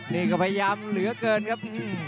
นี่ก็พยายามเหลือเกินครับ